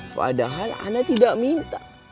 padahal saya tidak meminta